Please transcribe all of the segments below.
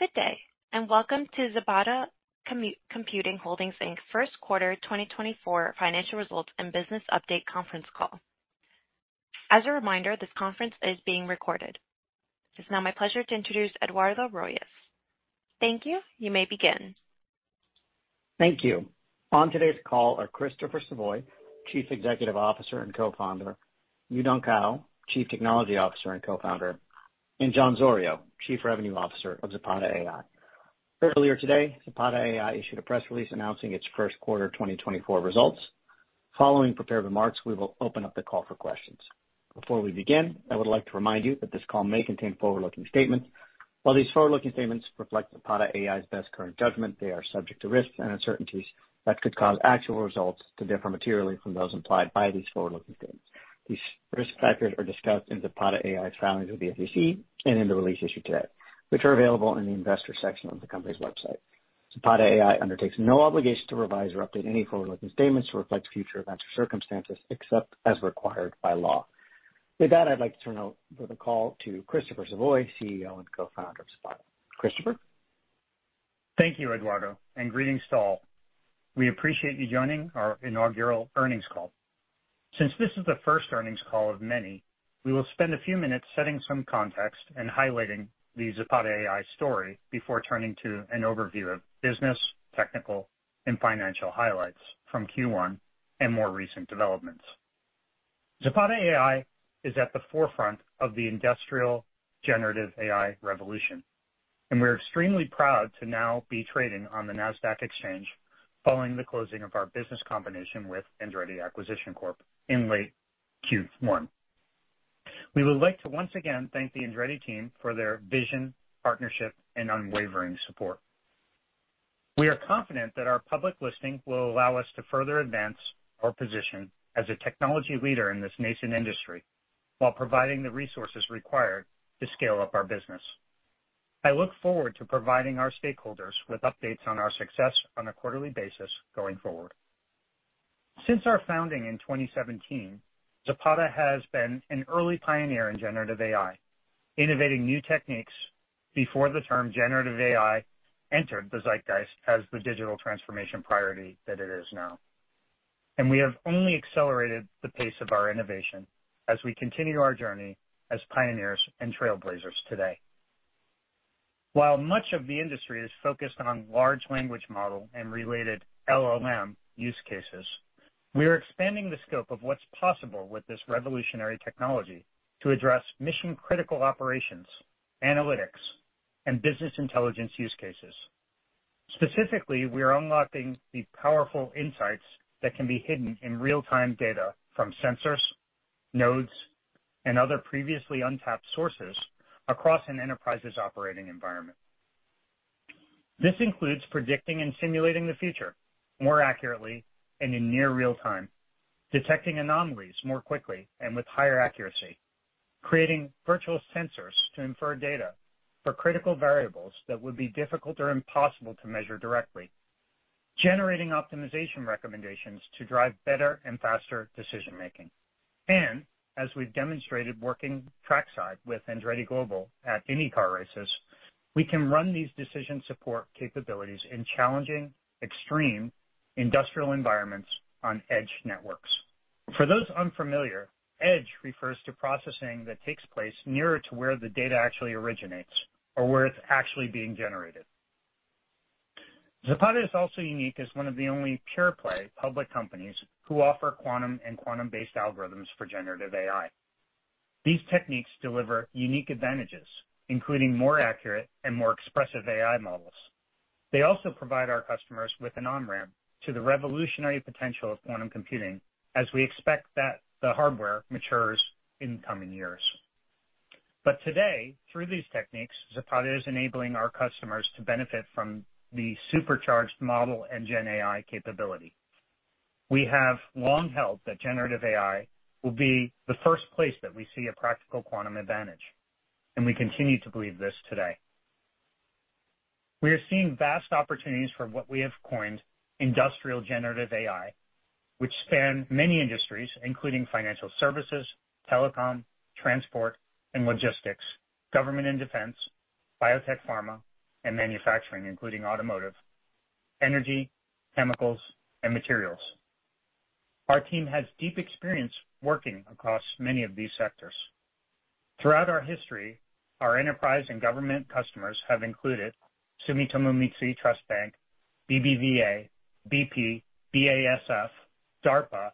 Good day and welcome to Zapata Computing Holdings Inc. first quarter 2024 Financial Results and Business Update Conference Call. As a reminder, this conference is being recorded. It's now my pleasure to introduce Eduardo Royes. Thank you. You may begin. Thank you. On today's call are Christopher Savoie, Chief Executive Officer and Co-founder, Yudong Cao, Chief Technology Officer and Co-founder, and Jon Zorio, Chief Revenue Officer of Zapata AI. Earlier today, Zapata AI issued a press release announcing its first quarter 2024 results. Following prepared remarks, we will open up the call for questions. Before we begin, I would like to remind you that this call may contain forward-looking statements. While these forward-looking statements reflect Zapata AI's best current judgment, they are subject to risks and uncertainties that could cause actual results to differ materially from those implied by these forward-looking statements. These risk factors are discussed in Zapata AI's filings with the SEC and in the release issued today, which are available in the investor section on the company's website. Zapata AI undertakes no obligation to revise or update any forward-looking statements to reflect future events or circumstances except as required by law. With that, I'd like to turn over the call to Christopher Savoie, CEO and Co-founder of Zapata. Christopher? Thank you, Eduardo, and greetings to all. We appreciate you joining our inaugural earnings call. Since this is the first earnings call of many, we will spend a few minutes setting some context and highlighting the Zapata AI story before turning to an overview of business, technical, and financial highlights from Q1 and more recent developments. Zapata AI is at the forefront of the industrial generative AI revolution, and we're extremely proud to now be trading on the NASDAQ exchange following the closing of our business combination with Andretti Acquisition Corp in late Q1. We would like to once again thank the Andretti team for their vision, partnership, and unwavering support. We are confident that our public listing will allow us to further advance our position as a technology leader in this nascent industry while providing the resources required to scale up our business. I look forward to providing our stakeholders with updates on our success on a quarterly basis going forward. Since our founding in 2017, Zapata has been an early pioneer in generative AI, innovating new techniques before the term generative AI entered the zeitgeist as the digital transformation priority that it is now. We have only accelerated the pace of our innovation as we continue our journey as pioneers and trailblazers today. While much of the industry is focused on large language model and related LLM use cases, we are expanding the scope of what's possible with this revolutionary technology to address mission-critical operations, analytics, and business intelligence use cases. Specifically, we are unlocking the powerful insights that can be hidden in real-time data from sensors, nodes, and other previously untapped sources across an enterprise's operating environment. This includes predicting and simulating the future more accurately and in near-real time, detecting anomalies more quickly and with higher accuracy, creating virtual sensors to infer data for critical variables that would be difficult or impossible to measure directly, generating optimization recommendations to drive better and faster decision-making. As we've demonstrated working trackside with Andretti Global INDYCAR races, we can run these decision support capabilities in challenging, extreme industrial environments on edge networks. For those unfamiliar, edge refers to processing that takes place nearer to where the data actually originates or where it's actually being generated. Zapata is also unique as one of the only pure-play public companies who offer quantum and quantum-based algorithms for generative AI. These techniques deliver unique advantages, including more accurate and more expressive AI models. They also provide our customers with an on-ramp to the revolutionary potential of quantum computing as we expect that the hardware matures in the coming years. But today, through these techniques, Zapata is enabling our customers to benefit from the supercharged model and gen AI capability. We have long held that generative AI will be the first place that we see a practical quantum advantage, and we continue to believe this today. We are seeing vast opportunities for what we have coined industrial generative AI, which span many industries, including financial services, telecom, transport, and logistics, government and defense, biotech pharma, and manufacturing, including automotive, energy, chemicals, and materials. Our team has deep experience working across many of these sectors. Throughout our history, our enterprise and government customers have included Sumitomo Mitsui Trust Bank, BBVA, BP, BASF, DARPA,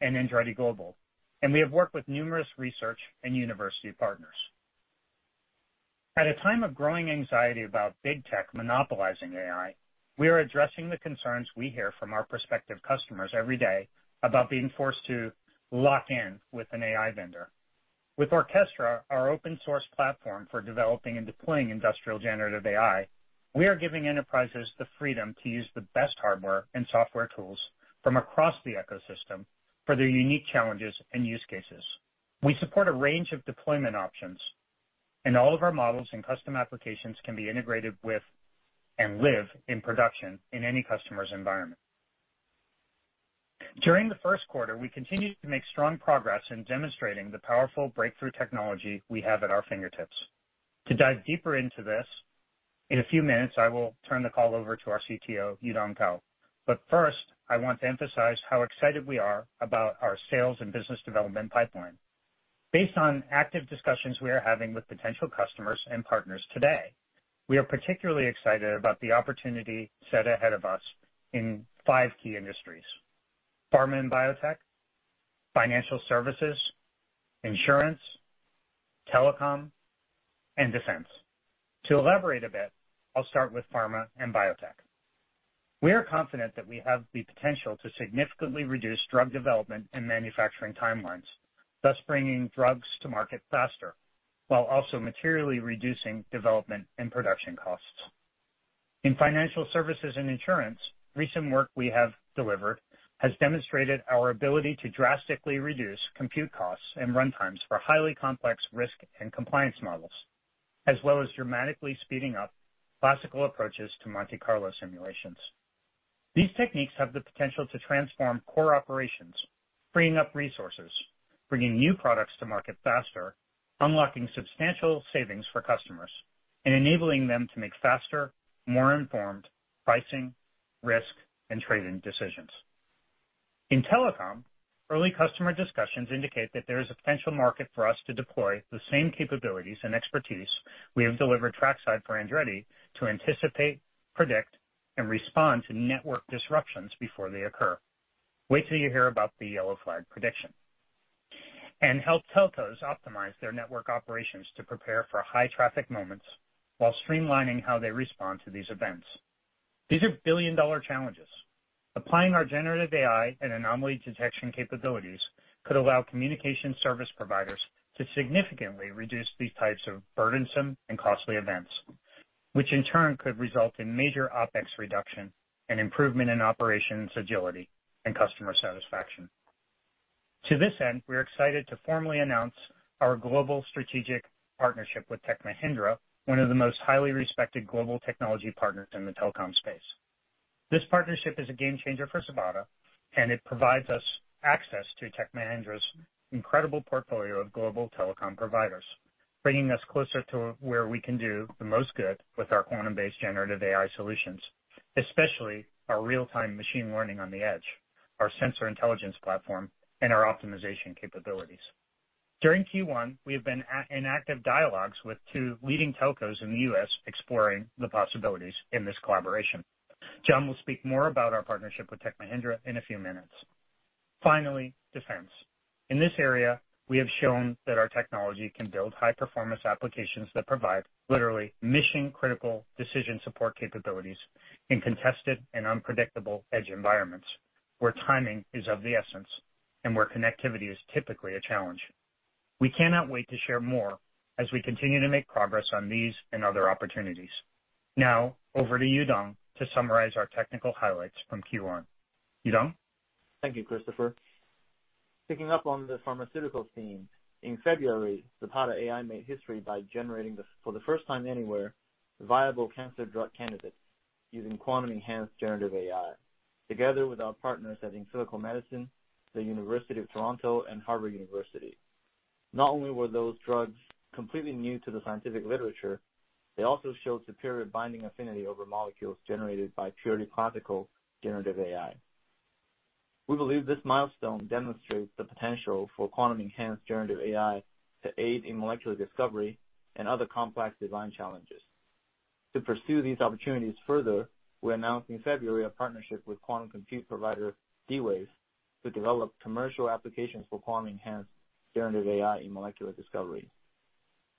and Andretti Global, and we have worked with numerous research and university partners. At a time of growing anxiety about big tech monopolizing AI, we are addressing the concerns we hear from our prospective customers every day about being forced to lock in with an AI vendor. With Orquestra, our open-source platform for developing and deploying industrial generative AI, we are giving enterprises the freedom to use the best hardware and software tools from across the ecosystem for their unique challenges and use cases. We support a range of deployment options, and all of our models and custom applications can be integrated with and live in production in any customer's environment. During the first quarter, we continue to make strong progress in demonstrating the powerful breakthrough technology we have at our fingertips. To dive deeper into this in a few minutes, I will turn the call over to our CTO, Yudong Cao. But first, I want to emphasize how excited we are about our sales and business development pipeline. Based on active discussions we are having with potential customers and partners today, we are particularly excited about the opportunity set ahead of us in five key industries: pharma and biotech, financial services, insurance, telecom, and defense. To elaborate a bit, I'll start with pharma and biotech. We are confident that we have the potential to significantly reduce drug development and manufacturing timelines, thus bringing drugs to market faster while also materially reducing development and production costs. In financial services and insurance, recent work we have delivered has demonstrated our ability to drastically reduce compute costs and runtimes for highly complex risk and compliance models, as well as dramatically speeding up classical approaches to Monte Carlo simulations. These techniques have the potential to transform core operations, freeing up resources, bringing new products to market faster, unlocking substantial savings for customers, and enabling them to make faster, more informed pricing, risk, and trading decisions. In telecom, early customer discussions indicate that there is a potential market for us to deploy the same capabilities and expertise we have delivered trackside for Andretti to anticipate, predict, and respond to network disruptions before they occur. Wait till you hear about the yellow flag prediction. Help telcos optimize their network operations to prepare for high-traffic moments while streamlining how they respond to these events. These are billion-dollar challenges. Applying our generative AI and anomaly detection capabilities could allow communication service providers to significantly reduce these types of burdensome and costly events, which in turn could result in major OpEx reduction and improvement in operations agility and customer satisfaction. To this end, we are excited to formally announce our global strategic partnership with Tech Mahindra, one of the most highly respected global technology partners in the telecom space. This partnership is a game changer for Zapata, and it provides us access to Tech Mahindra's incredible portfolio of global telecom providers, bringing us closer to where we can do the most good with our quantum-based generative AI solutions, especially our real-time machine learning on the edge, our sensor intelligence platform, and our optimization capabilities. During Q1, we have been in active dialogues with two leading telcos in the U.S. exploring the possibilities in this collaboration. Jon will speak more about our partnership with Tech Mahindra in a few minutes. Finally, defense. In this area, we have shown that our technology can build high-performance applications that provide literally mission-critical decision support capabilities in contested and unpredictable edge environments where timing is of the essence and where connectivity is typically a challenge. We cannot wait to share more as we continue to make progress on these and other opportunities. Now, over to Yudong to summarize our technical highlights from Q1. Yudong? Thank you, Christopher. Picking up on the pharmaceutical theme, in February, Zapata AI made history by generating the, for the first time anywhere, viable cancer drug candidates using quantum-enhanced generative AI together with our partners at Insilico Medicine, the University of Toronto, and Harvard University. Not only were those drugs completely new to the scientific literature, they also showed superior binding affinity over molecules generated by purely classical generative AI. We believe this milestone demonstrates the potential for quantum-enhanced generative AI to aid in molecular discovery and other complex design challenges. To pursue these opportunities further, we announced in February a partnership with quantum compute provider D-Wave to develop commercial applications for quantum-enhanced generative AI in molecular discovery.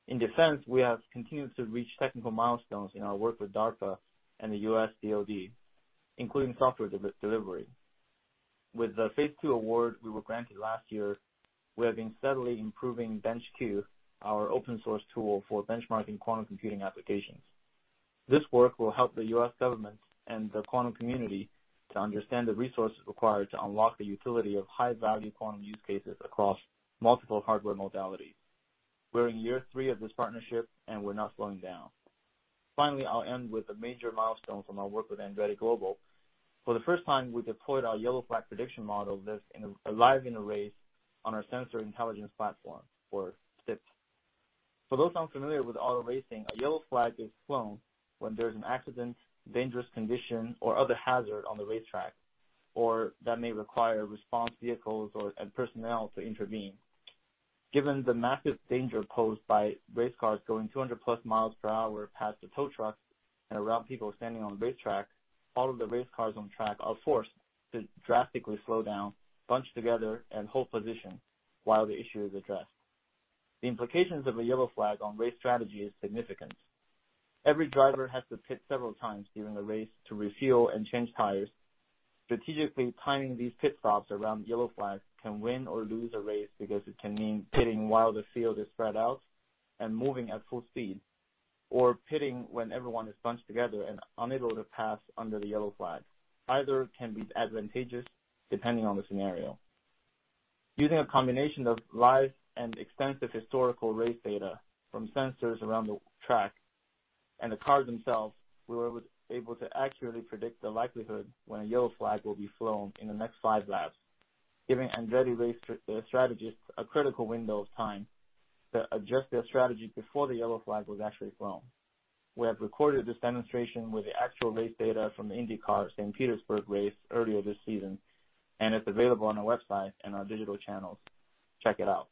In defense, we have continued to reach technical milestones in our work with DARPA and the U.S. DoD, including software delivery. With the Phase II award we were granted last year, we have been steadily improving BenchQ, our open-source tool for benchmarking quantum computing applications. This work will help the U.S. government and the quantum community to understand the resources required to unlock the utility of high-value quantum use cases across multiple hardware modalities. We're in year three of this partnership, and we're not slowing down. Finally, I'll end with a major milestone from our work with Andretti Global. For the first time, we deployed our yellow flag prediction model live in a race on our sensor intelligence platform, or SIP. For those unfamiliar with auto racing, a yellow flag is flown when there's an accident, dangerous condition, or other hazard on the racetrack, or that may require response vehicles and personnel to intervene. Given the massive danger posed by race cars going 200+ miles per hour past the tow trucks and around people standing on the racetrack, all of the race cars on track are forced to drastically slow down, bunch together, and hold position while the issue is addressed. The implications of a yellow flag on race strategy are significant. Every driver has to pit several times during a race to refuel and change tires. Strategically timing these pit stops around the yellow flag can win or lose a race because it can mean pitting while the field is spread out and moving at full speed, or pitting when everyone is bunched together and unable to pass under the yellow flag. Either can be advantageous depending on the scenario. Using a combination of live and extensive historical race data from sensors around the track and the cars themselves, we were able to accurately predict the likelihood when a yellow flag will be flown in the next five laps, giving Andretti race strategists a critical window of time to adjust their strategy before the yellow flag was actually flown. We have recorded this demonstration with the actual race data from the INDYCAR St. Petersburg race earlier this season, and it's available on our website and our digital channels. Check it out.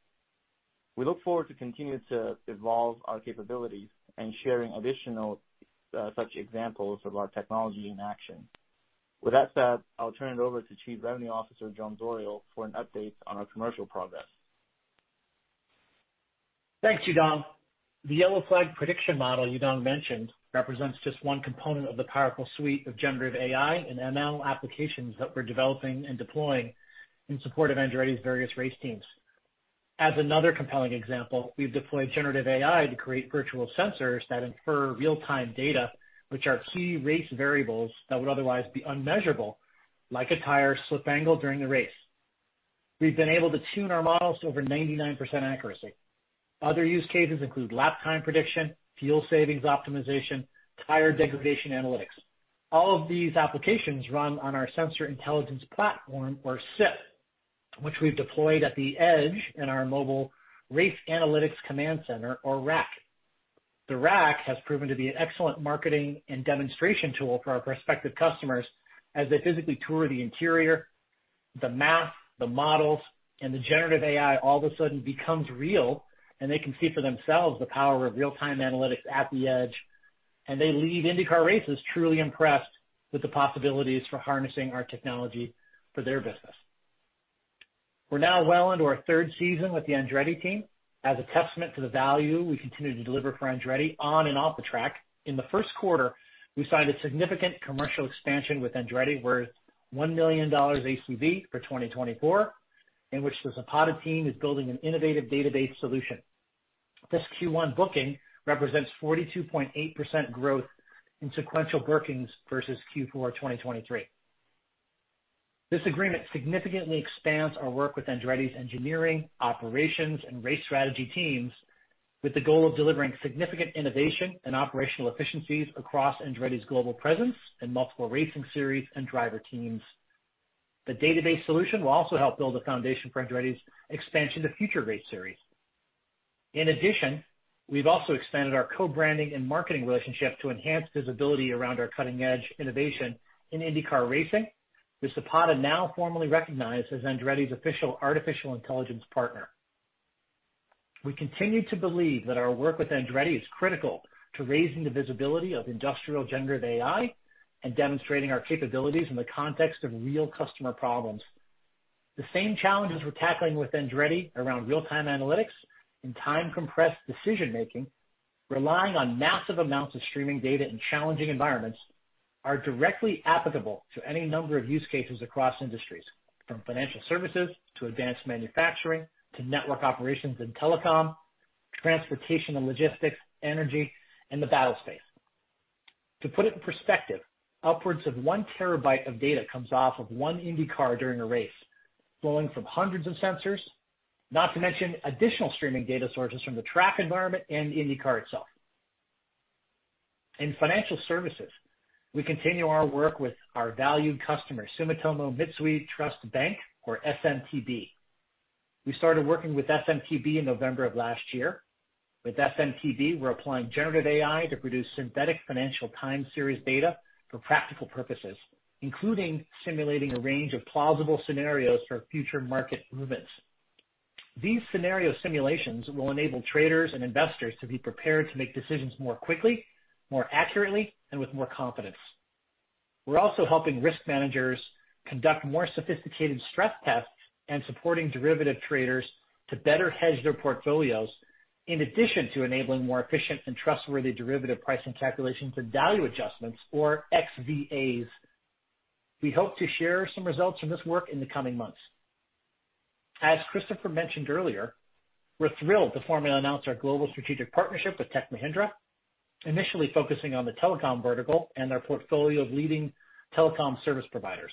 We look forward to continuing to evolve our capabilities and sharing additional such examples of our technology in action. With that said, I'll turn it over to Chief Revenue Officer Jon Zorio for an update on our commercial progress. Thanks, Yudong. The yellow flag prediction model Yudong mentioned represents just one component of the powerful suite of generative AI and ML applications that we're developing and deploying in support of Andretti's various race teams. As another compelling example, we've deployed generative AI to create virtual sensors that infer real-time data, which are key race variables that would otherwise be unmeasurable, like a tire's slip angle during the race. We've been able to tune our models to over 99% accuracy. Other use cases include lap time prediction, fuel savings optimization, tire degradation analytics. All of these applications run on our sensor intelligence platform, or SIP, which we've deployed at the edge in our mobile race analytics command center, or RACC. The RACC has proven to be an excellent marketing and demonstration tool for our prospective customers as they physically tour the interior. The math, the models, and the generative AI all of a sudden become real, and they can see for themselves the power of real-time analytics at the edge. They leave INDYCAR races truly impressed with the possibilities for harnessing our technology for their business. We're now well into our third season with the Andretti team. As a testament to the value we continue to deliver for Andretti on and off the track, in the first quarter, we signed a significant commercial expansion with Andretti, worth $1 million ACV for 2024, in which the Zapata team is building an innovative database solution. This Q1 booking represents 42.8% growth in sequential bookings versus Q4 2023. This agreement significantly expands our work with Andretti's engineering, operations, and race strategy teams with the goal of delivering significant innovation and operational efficiencies across Andretti's global presence and multiple racing series and driver teams. The database solution will also help build a foundation for Andretti's expansion to future race series. In addition, we've also expanded our co-branding and marketing relationship to enhance visibility around our cutting-edge innovation in INDYCAR Racing, with Zapata now formally recognized as Andretti's official artificial intelligence partner. We continue to believe that our work with Andretti is critical to raising the visibility of industrial generative AI and demonstrating our capabilities in the context of real customer problems. The same challenges we're tackling with Andretti around real-time analytics and time-compressed decision-making, relying on massive amounts of streaming data in challenging environments, are directly applicable to any number of use cases across industries, from financial services to advanced manufacturing to network operations and telecom, transportation and logistics, energy, and the battle space. To put it in perspective, upwards of 1 TB of data comes off of one INDYCAR during a race, flowing from hundreds of sensors, not to mention additional streaming data sources from the track environment and IndyCar itself. In financial services, we continue our work with our valued customer, Sumitomo Mitsui Trust Bank, or SMTB. We started working with SMTB in November of last year. With SMTB, we're applying generative AI to produce synthetic financial time series data for practical purposes, including simulating a range of plausible scenarios for future market movements. These scenario simulations will enable traders and investors to be prepared to make decisions more quickly, more accurately, and with more confidence. We're also helping risk managers conduct more sophisticated stress tests and supporting derivative traders to better hedge their portfolios, in addition to enabling more efficient and trustworthy derivative pricing calculations and value adjustments, or XVAs. We hope to share some results from this work in the coming months. As Christopher mentioned earlier, we're thrilled to formally announce our global strategic partnership with Tech Mahindra, initially focusing on the telecom vertical and our portfolio of leading telecom service providers.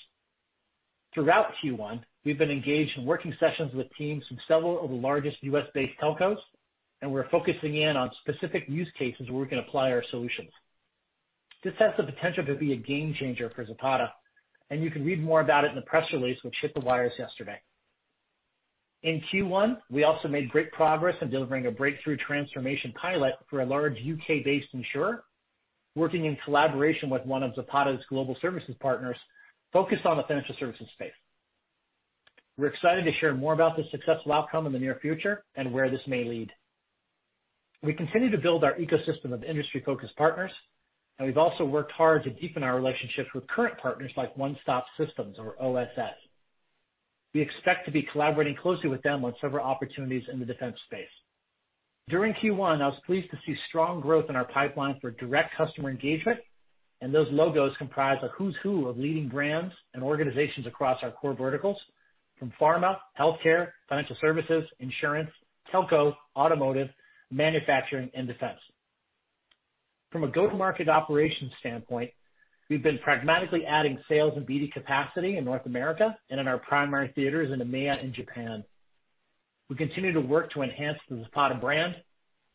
Throughout Q1, we've been engaged in working sessions with teams from several of the largest U.S.-based telcos, and we're focusing in on specific use cases where we can apply our solutions. This has the potential to be a game changer for Zapata, and you can read more about it in the press release which hit the wires yesterday. In Q1, we also made great progress in delivering a breakthrough transformation pilot for a large U.K.-based insurer, working in collaboration with one of Zapata's global services partners focused on the financial services space. We're excited to share more about this successful outcome in the near future and where this may lead. We continue to build our ecosystem of industry-focused partners, and we've also worked hard to deepen our relationships with current partners like One Stop Systems, or OSS. We expect to be collaborating closely with them on several opportunities in the defense space. During Q1, I was pleased to see strong growth in our pipeline for direct customer engagement, and those logos comprise a who's who of leading brands and organizations across our core verticals from pharma, healthcare, financial services, insurance, telco, automotive, manufacturing, and defense. From a go-to-market operations standpoint, we've been pragmatically adding sales and BD capacity in North America and in our primary theaters in EMEA and Japan. We continue to work to enhance the Zapata brand,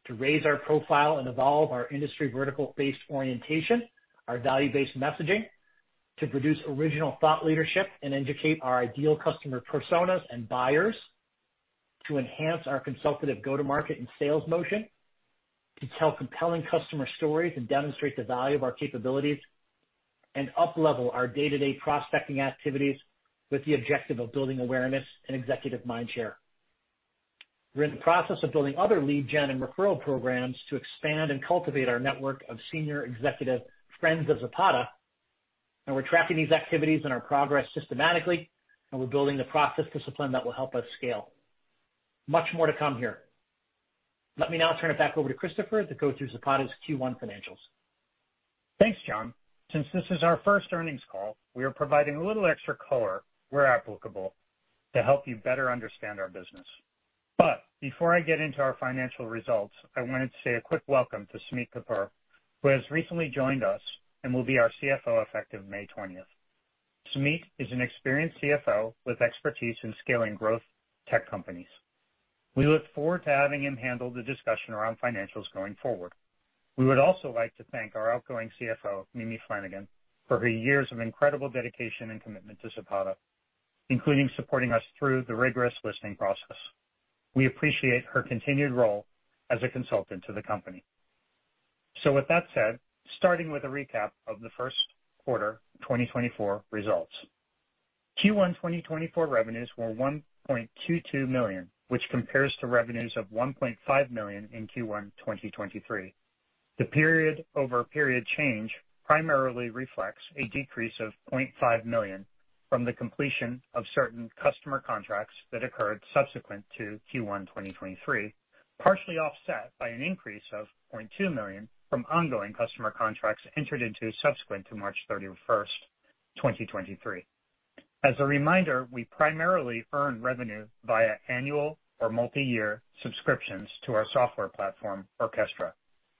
to raise our profile and evolve our industry vertical-based orientation, our value-based messaging, to produce original thought leadership and educate our ideal customer personas and buyers, to enhance our consultative go-to-market and sales motion, to tell compelling customer stories and demonstrate the value of our capabilities, and uplevel our day-to-day prospecting activities with the objective of building awareness and executive mindshare. We're in the process of building other lead gen and referral programs to expand and cultivate our network of senior executive friends of Zapata, and we're tracking these activities and our progress systematically, and we're building the process discipline that will help us scale. Much more to come here. Let me now turn it back over to Christopher to go through Zapata's Q1 financials. Thanks, Jon. Since this is our first earnings call, we are providing a little extra color where applicable to help you better understand our business. But before I get into our financial results, I wanted to say a quick welcome to Sumit Kapur, who has recently joined us and will be our CFO effective May 20th. Sumit is an experienced CFO with expertise in scaling growth tech companies. We look forward to having him handle the discussion around financials going forward. We would also like to thank our outgoing CFO, Mimi Flanagan, for her years of incredible dedication and commitment to Zapata, including supporting us through the rigorous listing process. We appreciate her continued role as a consultant to the company. With that said, starting with a recap of the first quarter 2024 results. Q1 2024 revenues were $1.22 million, which compares to revenues of $1.5 million in Q1 2023. The period-over-period change primarily reflects a decrease of $0.5 million from the completion of certain customer contracts that occurred subsequent to Q1 2023, partially offset by an increase of $0.2 million from ongoing customer contracts entered into subsequent to March 31st, 2023. As a reminder, we primarily earn revenue via annual or multi-year subscriptions to our software platform, Orquestra,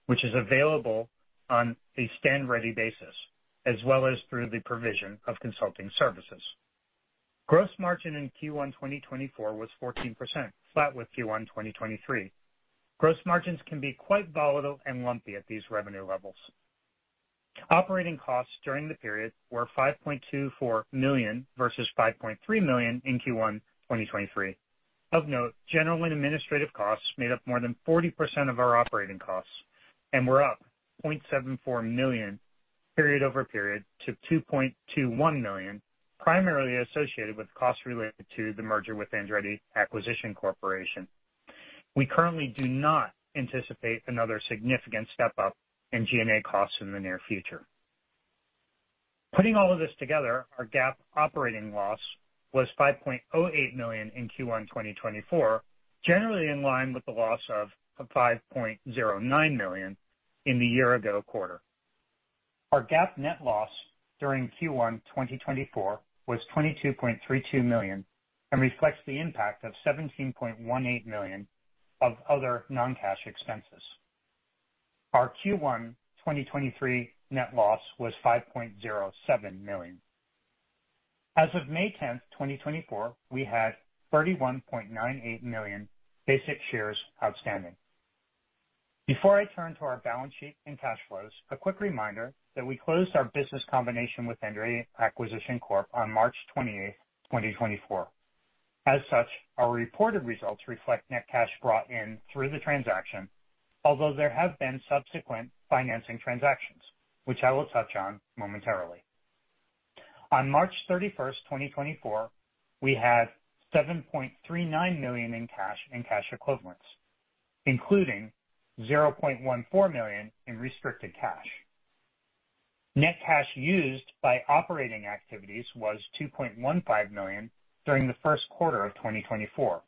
which is available on a stand-ready basis as well as through the provision of consulting services. Gross margin in Q1 2024 was 14%, flat with Q1 2023. Gross margins can be quite volatile and lumpy at these revenue levels. Operating costs during the period were $5.24 million versus $5.3 million in Q1 2023. Of note, general and administrative costs made up more than 40% of our operating costs, and we're up $0.74 million, period over period, to $2.21 million, primarily associated with costs related to the merger with Andretti Acquisition Corporation. We currently do not anticipate another significant step up in G&A costs in the near future. Putting all of this together, our GAAP operating loss was $5.08 million in Q1 2024, generally in line with the loss of $5.09 million in the year-ago quarter. Our GAAP net loss during Q1 2024 was $22.32 million and reflects the impact of $17.18 million of other non-cash expenses. Our Q1 2023 net loss was $5.07 million. As of May 10th, 2024, we had 31.98 million basic shares outstanding. Before I turn to our balance sheet and cash flows, a quick reminder that we closed our business combination with Andretti Acquisition Corp on March 28th, 2024. As such, our reported results reflect net cash brought in through the transaction, although there have been subsequent financing transactions, which I will touch on momentarily. On March 31st, 2024, we had $7.39 million in cash and cash equivalents, including $0.14 million in restricted cash. Net cash used by operating activities was $2.15 million during the first quarter of 2024.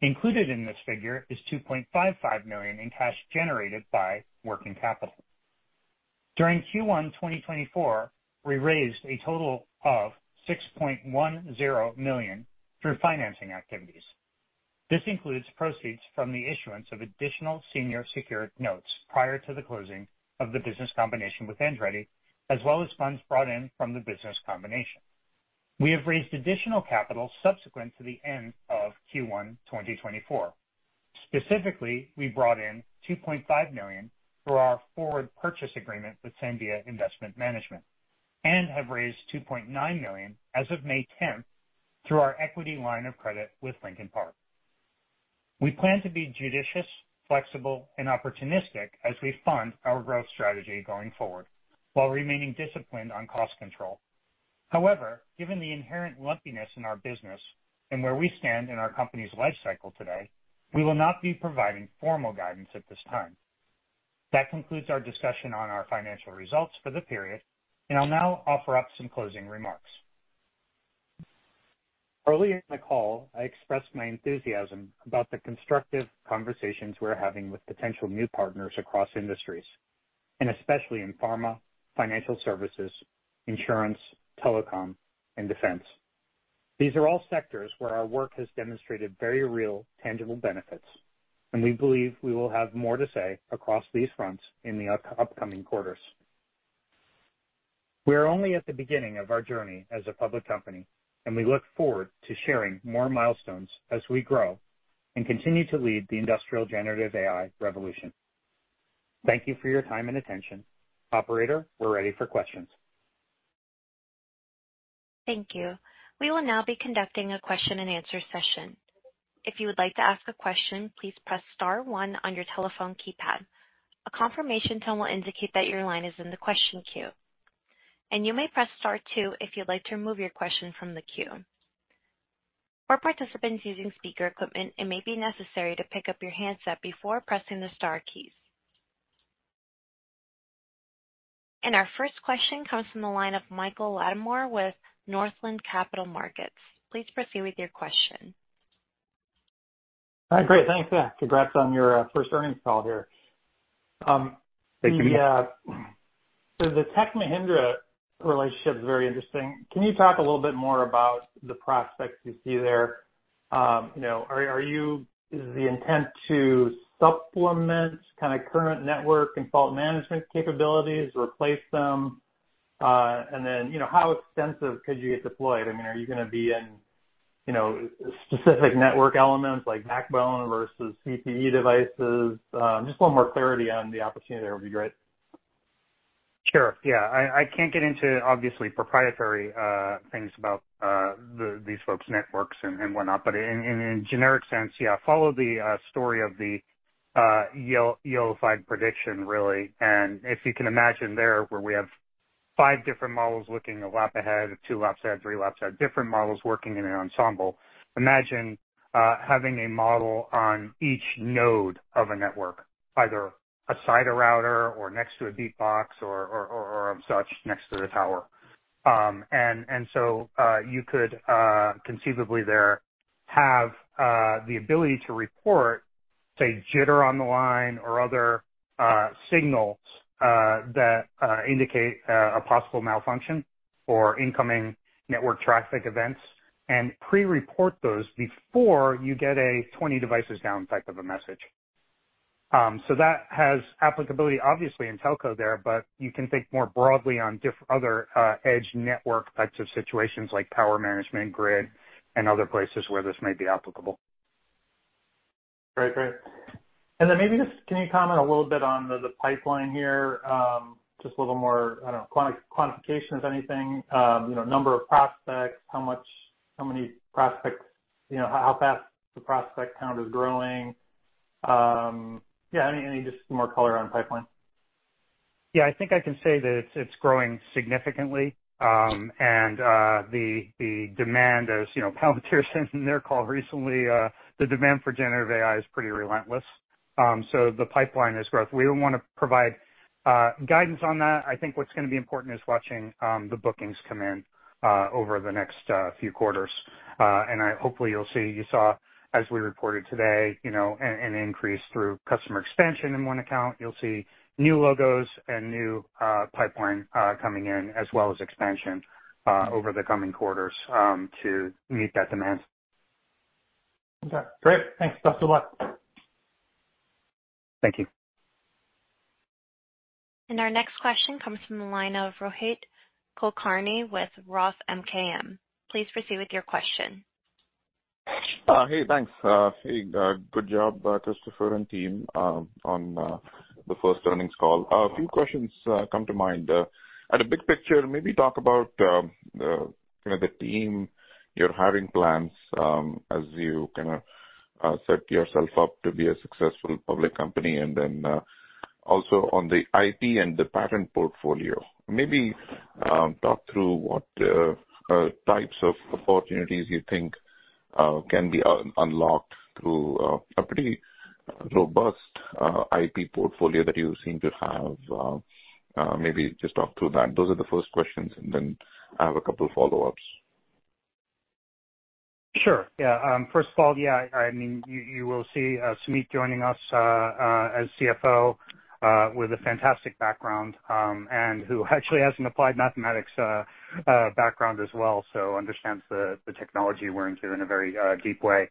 Included in this figure is $2.55 million in cash generated by working capital. During Q1 2024, we raised a total of $6.10 million through financing activities. This includes proceeds from the issuance of additional senior secured notes prior to the closing of the business combination with Andretti, as well as funds brought in from the business combination. We have raised additional capital subsequent to the end of Q1 2024. Specifically, we brought in $2.5 million through our forward purchase agreement with Sandia Investment Management and have raised $2.9 million as of May 10th through our equity line of credit with Lincoln Park. We plan to be judicious, flexible, and opportunistic as we fund our growth strategy going forward while remaining disciplined on cost control. However, given the inherent lumpiness in our business and where we stand in our company's lifecycle today, we will not be providing formal guidance at this time. That concludes our discussion on our financial results for the period, and I'll now offer up some closing remarks. Earlier in the call, I expressed my enthusiasm about the constructive conversations we're having with potential new partners across industries, and especially in pharma, financial services, insurance, telecom, and defense. These are all sectors where our work has demonstrated very real, tangible benefits, and we believe we will have more to say across these fronts in the upcoming quarters. We are only at the beginning of our journey as a public company, and we look forward to sharing more milestones as we grow and continue to lead the industrial generative AI revolution. Thank you for your time and attention. Operator, we're ready for questions. Thank you. We will now be conducting a question-and-answer session. If you would like to ask a question, please press star one on your telephone keypad. A confirmation tone will indicate that your line is in the question queue, and you may press star two if you'd like to remove your question from the queue. For participants using speaker equipment, it may be necessary to pick up your handset before pressing the star keys. Our first question comes from the line of Michael Latimore with Northland Capital Markets. Please proceed with your question. Great. Thanks. Congrats on your first earnings call here. So the Tech Mahindra relationship is very interesting. Can you talk a little bit more about the prospects you see there? Is the intent to supplement kind of current network and fault management capabilities, replace them, and then how extensive could you get deployed? I mean, are you going to be in specific network elements like backbone versus CPE devices? Just a little more clarity on the opportunity there would be great. Sure. Yeah. I can't get into, obviously, proprietary things about these folks' networks and whatnot, but in a generic sense, yeah, follow the story of the ELO5 prediction, really. And if you can imagine there, where we have five different models looking a lap ahead, two laps ahead, three laps ahead, different models working in an ensemble, imagine having a model on each node of a network, either aside a router or next to a beatbox or as such next to the tower. And so you could, conceivably there, have the ability to report, say, jitter on the line or other signals that indicate a possible malfunction or incoming network traffic events and prereport those before you get a 20 devices down type of a message. So that has applicability, obviously, in telco there, but you can think more broadly on other edge network types of situations like power management, grid, and other places where this may be applicable. Great. Great. And then maybe just can you comment a little bit on the pipeline here? Just a little more, I don't know, quantification if anything, number of prospects, how many prospects, how fast the prospect count is growing. Yeah, any just more color on pipeline. Yeah. I think I can say that it's growing significantly, and the demand, as Palantir said in their call recently, the demand for generative AI is pretty relentless. So the pipeline is growth. We don't want to provide guidance on that. I think what's going to be important is watching the bookings come in over the next few quarters. And hopefully, you'll see you saw, as we reported today, an increase through customer expansion in one account. You'll see new logos and new pipeline coming in as well as expansion over the coming quarters to meet that demand. Okay. Great. Thanks. Best of luck. Thank you. Our next question comes from the line of Rohit Kulkarni with Roth MKM. Please proceed with your question. Hey. Thanks. Hey, good job, Christopher and team, on the first earnings call. A few questions come to mind. At a big picture, maybe talk about kind of the team, your hiring plans as you kind of set yourself up to be a successful public company, and then also on the IP and the patent portfolio. Maybe talk through what types of opportunities you think can be unlocked through a pretty robust IP portfolio that you seem to have. Maybe just talk through that. Those are the first questions, and then I have a couple of follow-ups. Sure. Yeah. First of all, yeah, I mean, you will see Sumit joining us as CFO with a fantastic background and who actually has an applied mathematics background as well, so understands the technology we're into in a very deep way.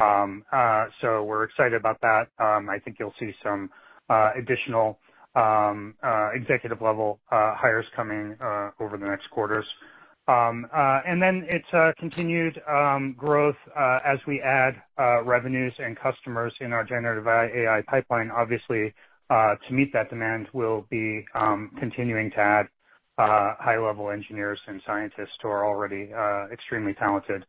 So we're excited about that. I think you'll see some additional executive-level hires coming over the next quarters. And then it's continued growth as we add revenues and customers in our generative AI pipeline. Obviously, to meet that demand, we'll be continuing to add high-level engineers and scientists to our already extremely talented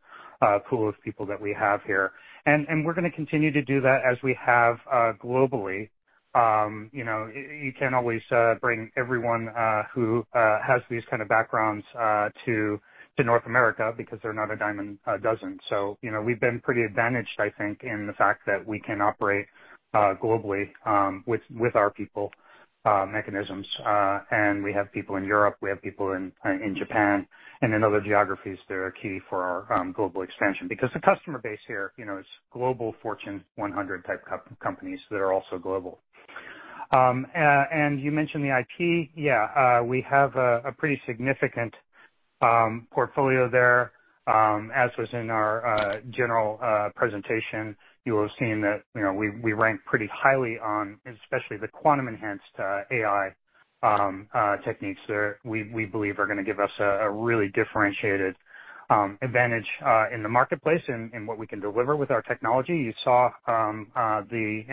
pool of people that we have here. And we're going to continue to do that as we have globally. You can't always bring everyone who has these kind of backgrounds to North America because they're not a diamond dozen. So we've been pretty advantaged, I think, in the fact that we can operate globally with our people mechanisms. We have people in Europe. We have people in Japan and in other geographies that are key for our global expansion because the customer base here is Global Fortune 100 type companies that are also global. You mentioned the IP. Yeah. We have a pretty significant portfolio there. As was in our general presentation, you will have seen that we rank pretty highly on especially the quantum-enhanced AI techniques that we believe are going to give us a really differentiated advantage in the marketplace in what we can deliver with our technology. I did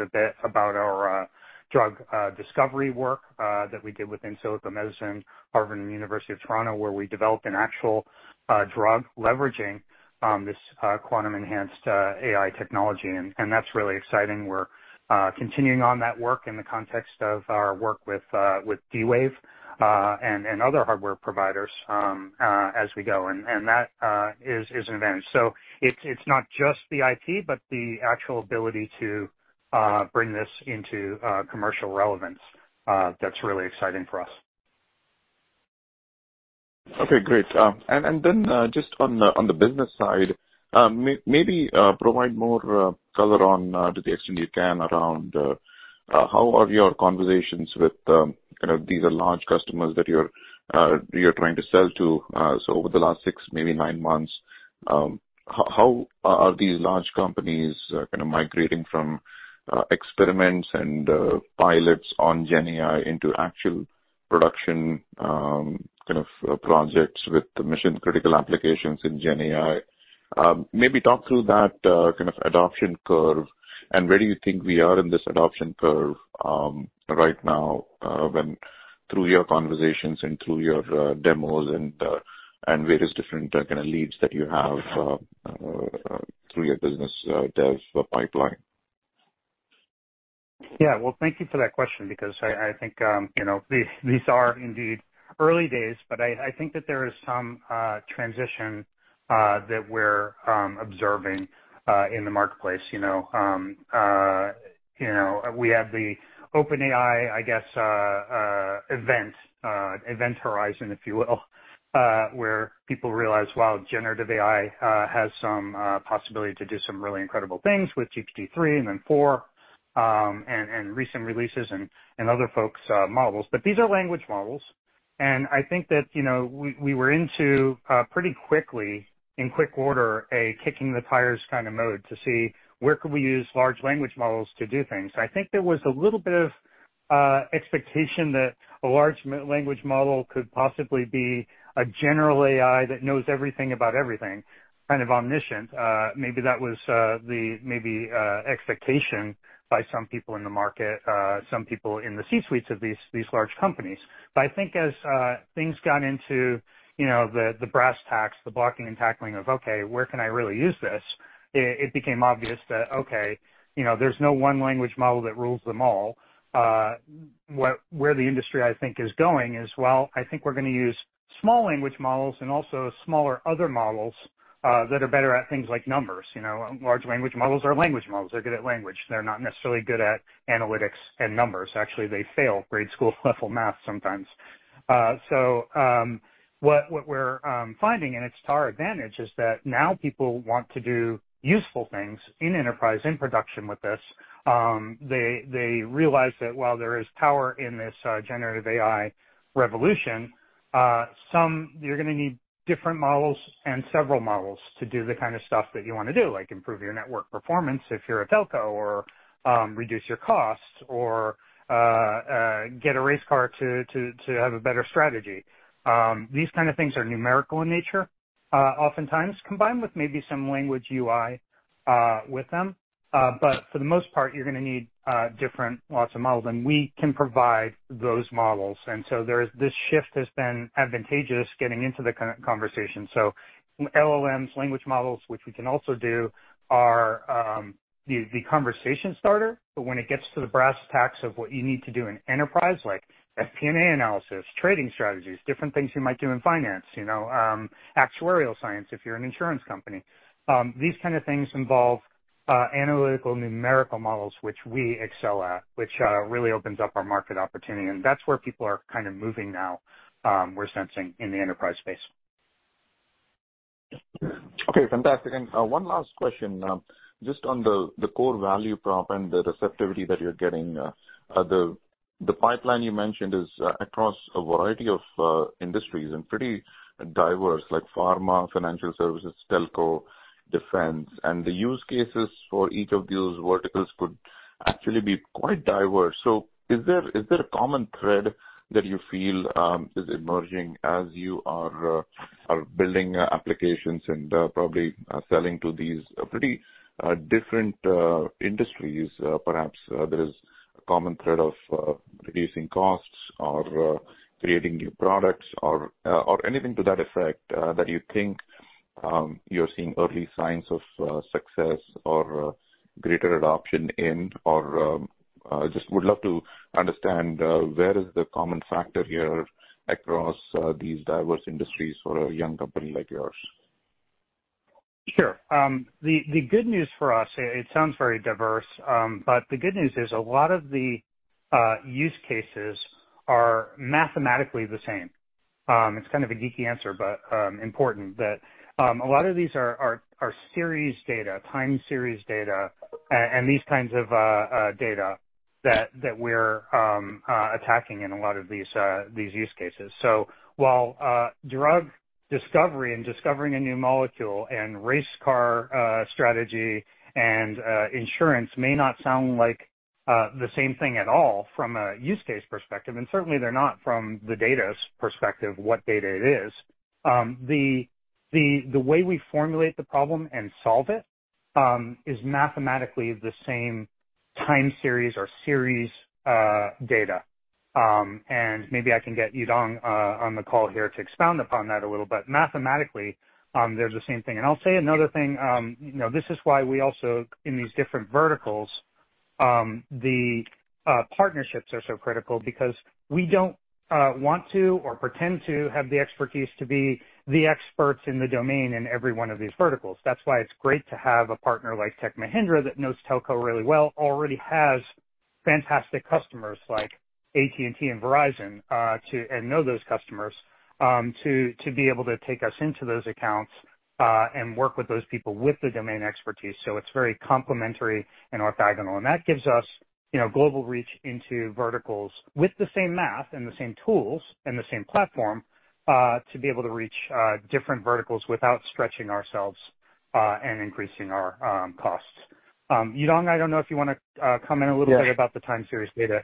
a bit about our drug discovery work that we did within Insilico Medicine, Harvard University, University of Toronto, where we developed an actual drug leveraging this quantum-enhanced AI technology. That's really exciting. We're continuing on that work in the context of our work with D-Wave and other hardware providers as we go. That is an advantage. So it's not just the IP, but the actual ability to bring this into commercial relevance. That's really exciting for us. Okay. Great. Then just on the business side, maybe provide more color on to the extent you can around how are your conversations with kind of these are large customers that you're trying to sell to. So over the last six, maybe nine months, how are these large companies kind of migrating from experiments and pilots on GenAI into actual production kind of projects with mission-critical applications in GenAI? Maybe talk through that kind of adoption curve and where do you think we are in this adoption curve right now through your conversations and through your demos and various different kind of leads that you have through your business dev pipeline. Yeah. Well, thank you for that question because I think these are indeed early days, but I think that there is some transition that we're observing in the marketplace. We have the OpenAI, I guess, event horizon, if you will, where people realize, "Wow, generative AI has some possibility to do some really incredible things with GPT-3 and then 4 and recent releases and other folks' models." But these are language models. And I think that we were into pretty quickly, in quick order, a kicking-the-tires kind of mode to see where could we use large language models to do things. I think there was a little bit of expectation that a large language model could possibly be a general AI that knows everything about everything, kind of omniscient. Maybe that was the maybe expectation by some people in the market, some people in the C-suites of these large companies. But I think as things got into the brass tacks, the blocking and tackling of, "Okay, where can I really use this?" it became obvious that, "Okay, there's no one language model that rules them all." Where the industry, I think, is going is, "Well, I think we're going to use small language models and also smaller other models that are better at things like numbers." Large language models are language models. They're good at language. They're not necessarily good at analytics and numbers. Actually, they fail grade school-level math sometimes. So what we're finding, and it's to our advantage, is that now people want to do useful things in enterprise, in production with this. They realize that while there is power in this generative AI revolution, you're going to need different models and several models to do the kind of stuff that you want to do, like improve your network performance if you're a telco or reduce your costs or get a race car to have a better strategy. These kind of things are numerical in nature oftentimes, combined with maybe some language UI with them. But for the most part, you're going to need different lots of models, and we can provide those models. And so this shift has been advantageous getting into the conversation. So LLMs, language models, which we can also do, are the conversation starter. When it gets to the brass tacks of what you need to do in enterprise, like FP&A analysis, trading strategies, different things you might do in finance, actuarial science if you're an insurance company, these kind of things involve analytical numerical models, which we excel at, which really opens up our market opportunity. That's where people are kind of moving now, we're sensing, in the enterprise space. Okay. Fantastic. And one last question just on the core value prop and the receptivity that you're getting. The pipeline you mentioned is across a variety of industries and pretty diverse, like pharma, financial services, telco, defense. And the use cases for each of those verticals could actually be quite diverse. So is there a common thread that you feel is emerging as you are building applications and probably selling to these pretty different industries? Perhaps there is a common thread of reducing costs or creating new products or anything to that effect that you think you're seeing early signs of success or greater adoption in? Or just would love to understand where is the common factor here across these diverse industries for a young company like yours? Sure. The good news for us, it sounds very diverse, but the good news is a lot of the use cases are mathematically the same. It's kind of a geeky answer, but important, that a lot of these are series data, time series data, and these kinds of data that we're attacking in a lot of these use cases. So while drug discovery and discovering a new molecule and race car strategy and insurance may not sound like the same thing at all from a use case perspective, and certainly, they're not from the data's perspective, what data it is, the way we formulate the problem and solve it is mathematically the same time series or series data. And maybe I can get Yudong on the call here to expound upon that a little, but mathematically, they're the same thing. And I'll say another thing. This is why we also, in these different verticals, the partnerships are so critical because we don't want to or pretend to have the expertise to be the experts in the domain in every one of these verticals. That's why it's great to have a partner like Tech Mahindra that knows telco really well, already has fantastic customers like AT&T and Verizon and knows those customers to be able to take us into those accounts and work with those people with the domain expertise. So it's very complementary and orthogonal. That gives us global reach into verticals with the same math and the same tools and the same platform to be able to reach different verticals without stretching ourselves and increasing our costs. Yudong, I don't know if you want to comment a little bit about the time series data.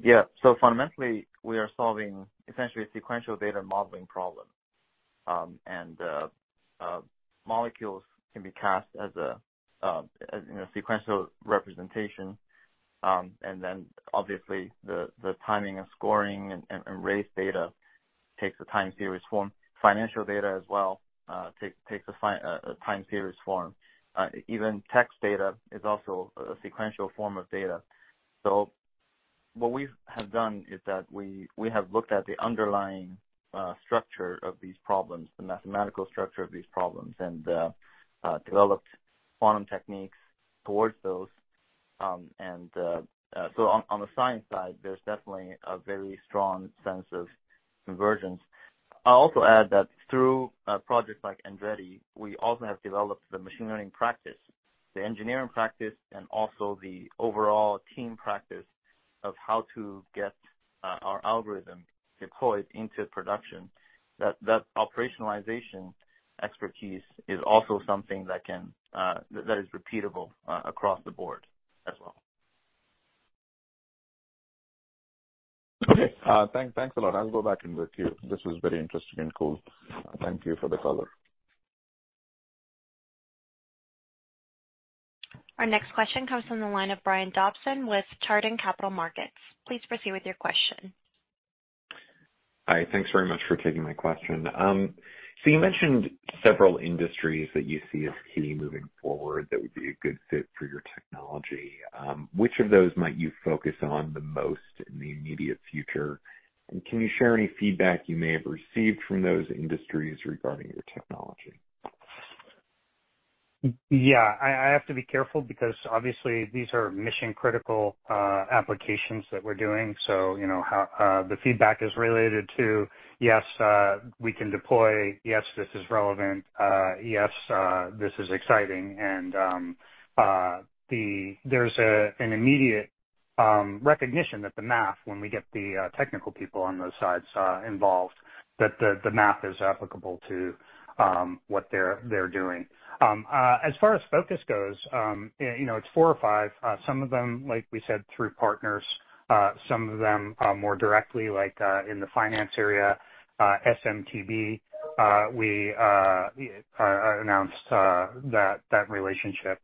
Yeah. So fundamentally, we are solving essentially a sequential data modeling problem. Molecules can be cast as a sequential representation. Then obviously, the timing and scoring and race data takes a time series form. Financial data as well takes a time series form. Even text data is also a sequential form of data. So what we have done is that we have looked at the underlying structure of these problems, the mathematical structure of these problems, and developed quantum techniques towards those. So on the science side, there's definitely a very strong sense of convergence. I'll also add that through projects like Andretti, we also have developed the machine learning practice, the engineering practice, and also the overall team practice of how to get our algorithm deployed into production. That operationalization expertise is also something that is repeatable across the board as well. Okay. Thanks a lot. I'll go back and look too. This was very interesting and cool. Thank you for the color. Our next question comes from the line of Brian Dobson with Chardan Capital Markets. Please proceed with your question. Hi. Thanks very much for taking my question. So you mentioned several industries that you see as key moving forward that would be a good fit for your technology. Which of those might you focus on the most in the immediate future? And can you share any feedback you may have received from those industries regarding your technology? Yeah. I have to be careful because obviously, these are mission-critical applications that we're doing. So the feedback is related to, "Yes, we can deploy. Yes, this is relevant. Yes, this is exciting." And there's an immediate recognition that the math, when we get the technical people on those sides involved, that the math is applicable to what they're doing. As far as focus goes, it's four or five. Some of them, like we said, through partners. Some of them more directly, like in the finance area, SMTB, we announced that relationship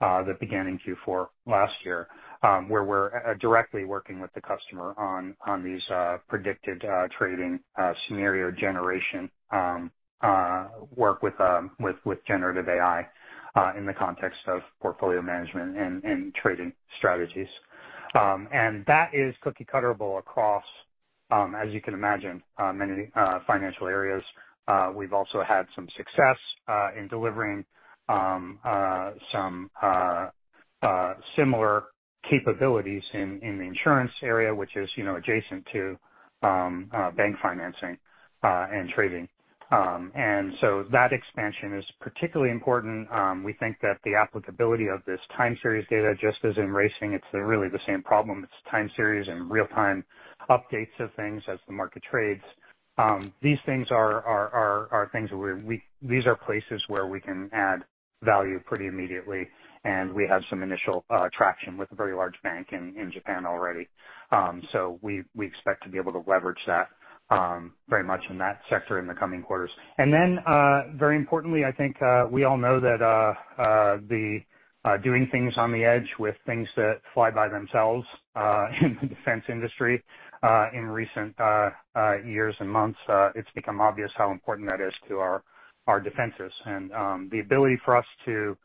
that began in Q4 last year where we're directly working with the customer on these predicted trading scenario generation work with generative AI in the context of portfolio management and trading strategies. And that is cookie-cutterable across, as you can imagine, many financial areas. We've also had some success in delivering some similar capabilities in the insurance area, which is adjacent to bank financing and trading. And so that expansion is particularly important. We think that the applicability of this time series data, just as in racing, it's really the same problem. It's time series and real-time updates of things as the market trades. These things are places where we can add value pretty immediately. And we have some initial traction with a very large bank in Japan already. So we expect to be able to leverage that very much in that sector in the coming quarters. And then very importantly, I think we all know that doing things on the edge with things that fly by themselves in the defense industry in recent years and months, it's become obvious how important that is to our defenses. The ability for us to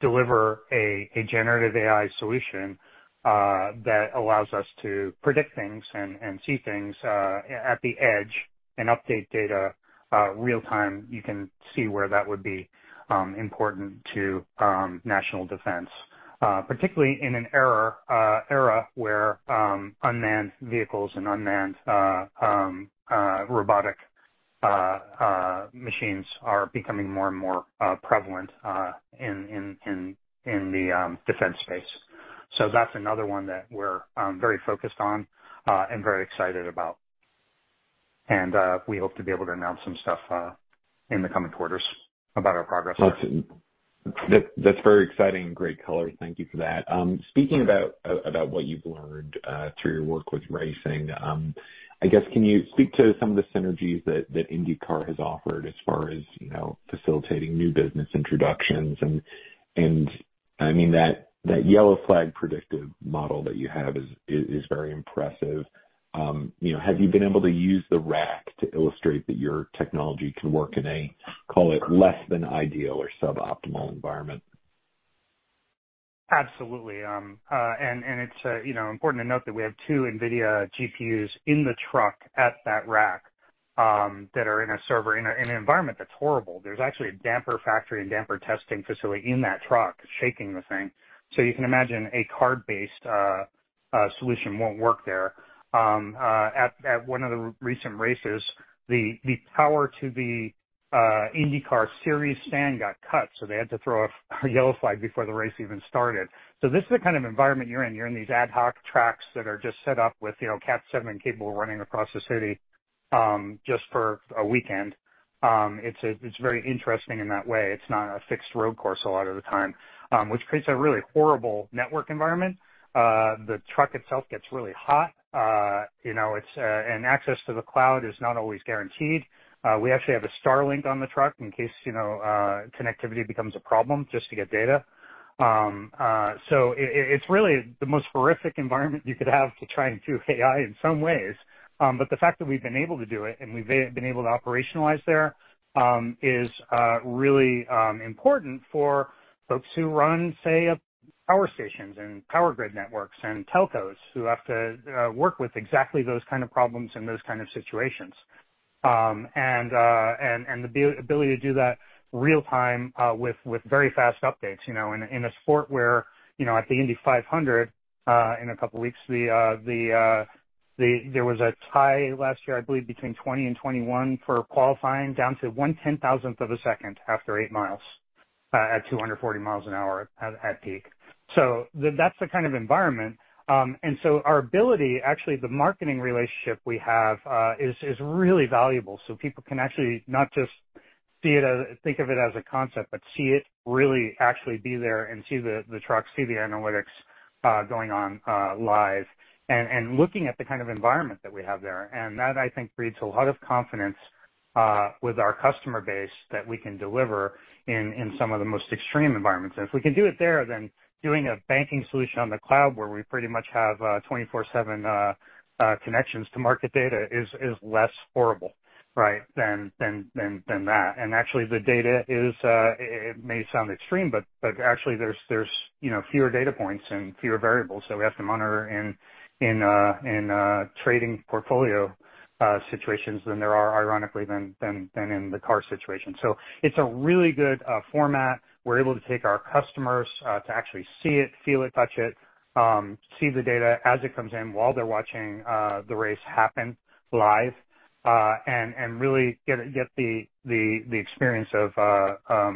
deliver a generative AI solution that allows us to predict things and see things at the edge and update data real-time, you can see where that would be important to national defense, particularly in an era where unmanned vehicles and unmanned robotic machines are becoming more and more prevalent in the defense space. That's another one that we're very focused on and very excited about. We hope to be able to announce some stuff in the coming quarters about our progress. That's very exciting and great color. Thank you for that. Speaking about what you've learned through your work with racing, I guess, can you speak to some of the synergies that INDYCAR has offered as far as facilitating new business introductions? And I mean, that yellow flag predictive model that you have is very impressive. Have you been able to use the RACC to illustrate that your technology can work in a, call it, less than ideal or suboptimal environment? Absolutely. It's important to note that we have two NVIDIA GPUs in the truck at that RAAC that are in a server in an environment that's horrible. There's actually a damper factory and damper testing facility in that truck shaking the thing. So you can imagine a card-based solution won't work there. At one of the recent races, the power to the INDYCAR series stand got cut. So they had to throw a yellow flag before the race even started. So this is the kind of environment you're in. You're in these ad hoc tracks that are just set up with Cat 7 cable running across the city just for a weekend. It's very interesting in that way. It's not a fixed road course a lot of the time, which creates a really horrible network environment. The truck itself gets really hot. Access to the cloud is not always guaranteed. We actually have a Starlink on the truck in case connectivity becomes a problem just to get data. So it's really the most horrific environment you could have to try and do AI in some ways. But the fact that we've been able to do it and we've been able to operationalize there is really important for folks who run, say, power stations and power grid networks and telcos who have to work with exactly those kind of problems in those kind of situations. And the ability to do that real-time with very fast updates. In a sport where at the Indy 500, in a couple of weeks, there was a tie last year, I believe, between 2020 and 2021 for qualifying down to 0.0001 of a second after 8 miles at 240 miles an hour at peak. So that's the kind of environment. And so our ability, actually, the marketing relationship we have is really valuable. So people can actually not just think of it as a concept, but see it really actually be there and see the trucks, see the analytics going on live and looking at the kind of environment that we have there. And that, I think, breeds a lot of confidence with our customer base that we can deliver in some of the most extreme environments. And if we can do it there, then doing a banking solution on the cloud where we pretty much have 24/7 connections to market data is less horrible, right, than that. And actually, the data is it may sound extreme, but actually, there's fewer data points and fewer variables that we have to monitor in trading portfolio situations than there are, ironically, than in the car situation. So it's a really good format. We're able to take our customers to actually see it, feel it, touch it, see the data as it comes in while they're watching the race happen live and really get the experience of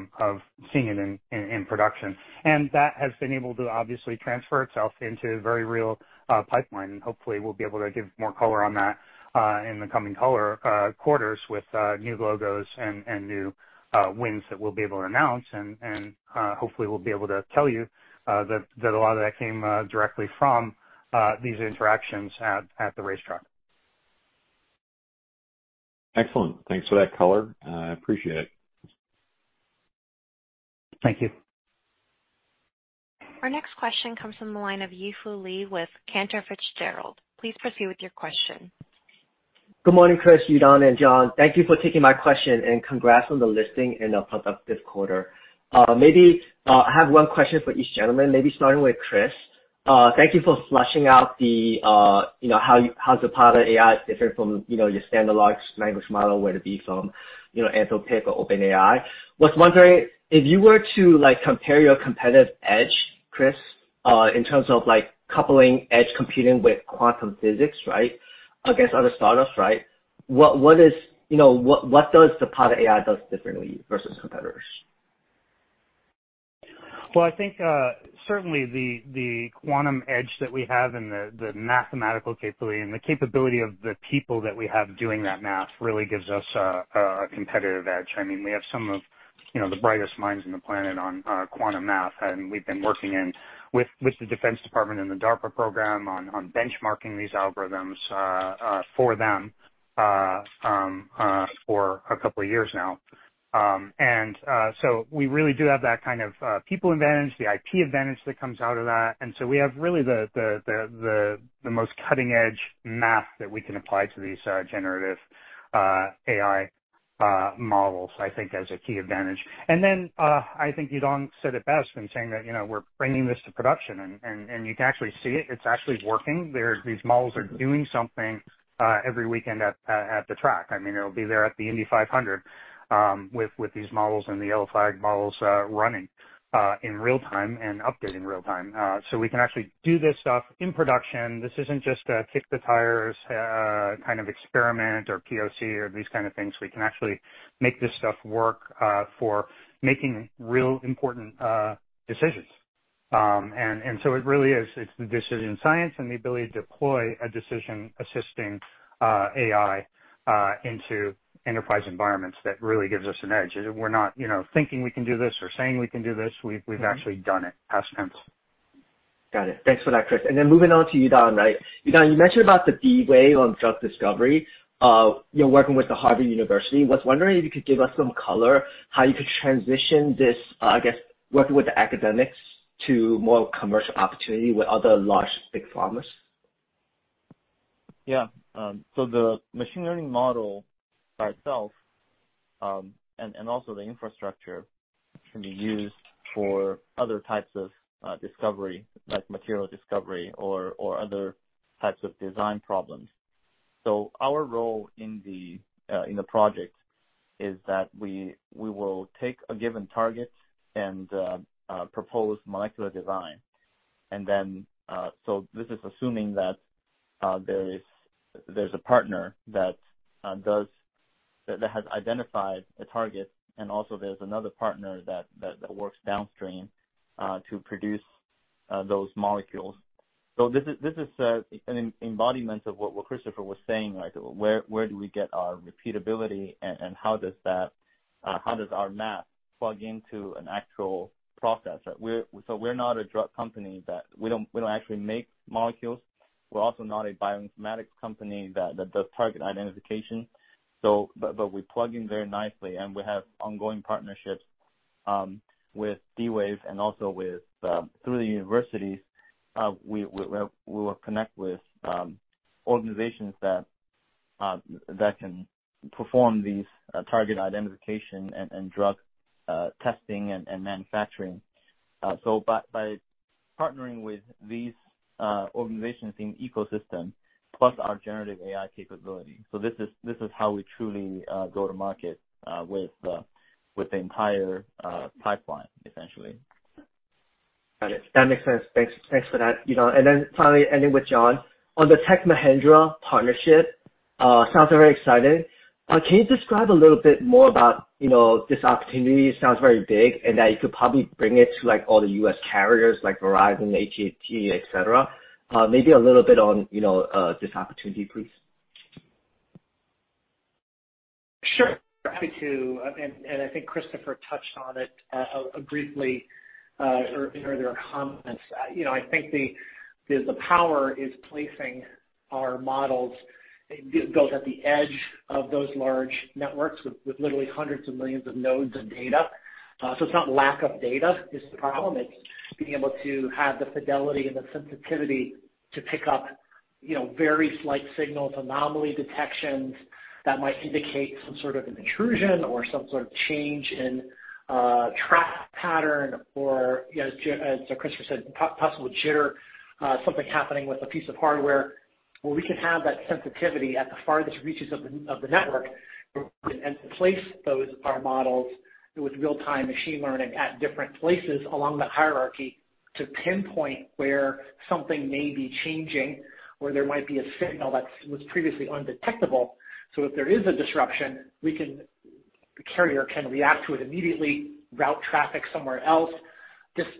seeing it in production. And that has been able to obviously transfer itself into a very real pipeline. And hopefully, we'll be able to give more color on that in the coming quarters with new logos and new wins that we'll be able to announce. And hopefully, we'll be able to tell you that a lot of that came directly from these interactions at the racetrack. Excellent. Thanks for that color. I appreciate it. Thank you. Our next question comes from the line of Yi Fu Lee with Cantor Fitzgerald. Please proceed with your question. Good morning, Chris, Yudong, and Jon. Thank you for taking my question, and congrats on the listing in the productive quarter. Maybe I have one question for each gentleman, maybe starting with Chris. Thank you for fleshing out how Zapata AI is different from your standalone language model, whether it be from Anthropic or OpenAI. I was wondering, if you were to compare your competitive edge, Chris, in terms of coupling edge computing with quantum physics, right, against other startups, right, what does Zapata AI do differently versus competitors? Well, I think certainly the quantum edge that we have and the mathematical capability and the capability of the people that we have doing that math really gives us a competitive edge. I mean, we have some of the brightest minds on the planet on quantum math. And we've been working with the Defense Department and the DARPA program on benchmarking these algorithms for them for a couple of years now. And so we really do have that kind of people advantage, the IP advantage that comes out of that. And so we have really the most cutting-edge math that we can apply to these generative AI models, I think, as a key advantage. And then I think Yudong said it best in saying that we're bringing this to production. And you can actually see it. It's actually working. These models are doing something every weekend at the track. I mean, it'll be there at the Indy 500 with these models and the yellow flag models running in real-time and updating real-time. So we can actually do this stuff in production. This isn't just a kick-the-tires kind of experiment or POC or these kind of things. We can actually make this stuff work for making real important decisions. And so it really is. It's the decision science and the ability to deploy a decision-assisting AI into enterprise environments that really gives us an edge. We're not thinking we can do this or saying we can do this. We've actually done it past tense. Got it. Thanks for that, Chris. And then moving on to Yudong, right? Yudong, you mentioned about the D-Wave on drug discovery, working with Harvard University. I was wondering if you could give us some color, how you could transition this, I guess, working with the academics to more commercial opportunity with other large big pharmas. Yeah. So the machine learning model by itself and also the infrastructure can be used for other types of discovery, like material discovery or other types of design problems. So our role in the project is that we will take a given target and propose molecular design. And then so this is assuming that there is a partner that has identified a target. And also there's another partner that works downstream to produce those molecules. So this is an embodiment of what Christopher was saying, right? Where do we get our repeatability, and how does our math plug into an actual process, right? So we're not a drug company that we don't actually make molecules. We're also not a bioinformatics company that does target identification. But we plug in very nicely. And we have ongoing partnerships with D-Wave and also through the universities. We will connect with organizations that can perform these target identification and drug testing and manufacturing. So by partnering with these organizations in ecosystem plus our generative AI capability, so this is how we truly go to market with the entire pipeline, essentially. Got it. That makes sense. Thanks for that, Yudong. And then finally, ending with Jon, on the Tech Mahindra partnership, sounds very exciting. Can you describe a little bit more about this opportunity? It sounds very big and that you could probably bring it to all the U.S. carriers like Verizon, AT&T, etc. Maybe a little bit on this opportunity, please. Sure. Happy to. And I think Christopher touched on it briefly in earlier comments. I think the power is placing our models both at the edge of those large networks with literally hundreds of millions of nodes of data. So it's not lack of data is the problem. It's being able to have the fidelity and the sensitivity to pick up very slight signals, anomaly detections that might indicate some sort of intrusion or some sort of change in track pattern or, as Christopher said, possible jitter, something happening with a piece of hardware. Well, we can have that sensitivity at the farthest reaches of the network and place our models with real-time machine learning at different places along that hierarchy to pinpoint where something may be changing, where there might be a signal that was previously undetectable. So if there is a disruption, the carrier can react to it immediately, route traffic somewhere else,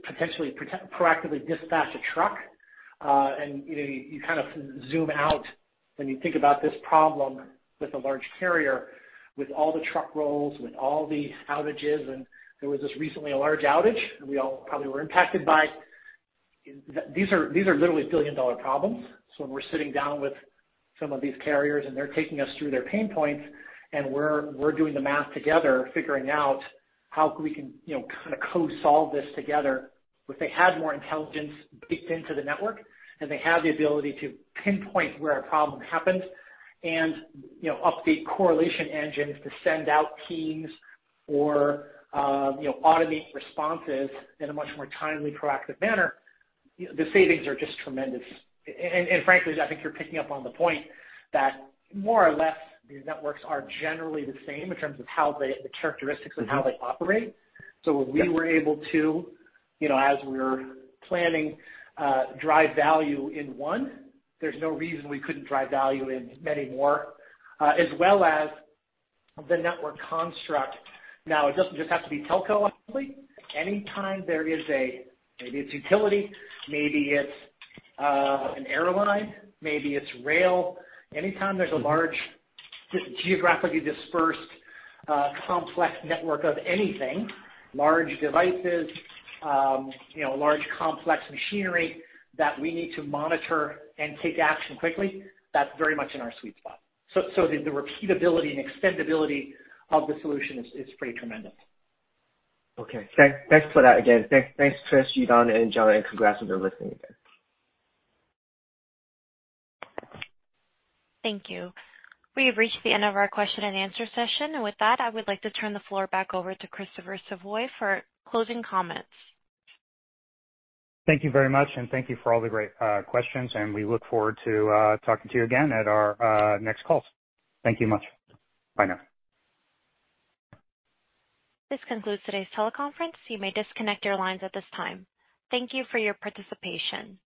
potentially proactively dispatch a truck. And you kind of zoom out when you think about this problem with a large carrier with all the truck rolls, with all the outages. And there was just recently a large outage, and we all probably were impacted by. These are literally billion-dollar problems. So we're sitting down with some of these carriers, and they're taking us through their pain points. And we're doing the math together, figuring out how we can kind of co-solve this together if they had more intelligence baked into the network and they had the ability to pinpoint where a problem happened and update correlation engines to send out teams or automate responses in a much more timely, proactive manner. The savings are just tremendous. Frankly, I think you're picking up on the point that more or less, these networks are generally the same in terms of the characteristics and how they operate. So we were able to, as we were planning, drive value in one. There's no reason we couldn't drive value in many more, as well as the network construct. Now, it doesn't just have to be telco, honestly. Anytime there is a maybe it's utility, maybe it's an airline, maybe it's rail. Anytime there's a large geographically dispersed, complex network of anything, large devices, large complex machinery that we need to monitor and take action quickly, that's very much in our sweet spot. So the repeatability and extendability of the solution is pretty tremendous. Okay. Thanks for that again. Thanks, Chris, Yudong, and Jon. And congrats on your listing again. Thank you. We have reached the end of our question-and-answer session. With that, I would like to turn the floor back over to Christopher Savoie for closing comments. Thank you very much. And thank you for all the great questions. And we look forward to talking to you again at our next calls. Thank you much. Bye now. This concludes today's teleconference. You may disconnect your lines at this time. Thank you for your participation.